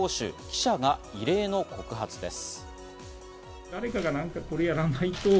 記者が異例の告発です。